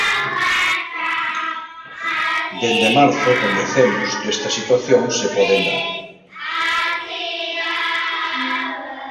Dende marzo coñecemos que estas situacións se poden dar.